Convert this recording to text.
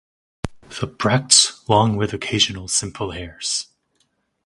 The bracts long with occasional simple hairs.